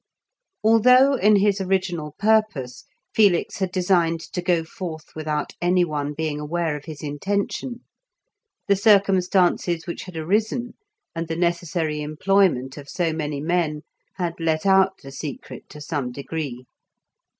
Although, in his original purpose, Felix had designed to go forth without anyone being aware of his intention, the circumstances which had arisen, and the necessary employment of so many men, had let out the secret to some degree.